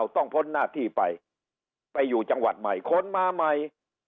พ้นหน้าที่ไปไปอยู่จังหวัดใหม่คนมาใหม่